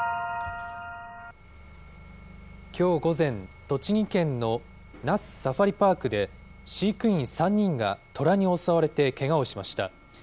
きょう午前、栃木県の那須サファリパークで、飼育員３人がトラに襲われてけがをしました。